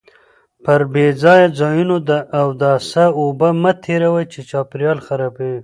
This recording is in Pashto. پر بې ځایه ځایونو د اوداسه اوبه مه تېروئ چې چاپیریال خرابوي.